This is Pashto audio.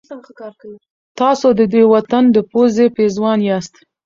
تاسو د دې وطن د پوزې پېزوان یاست.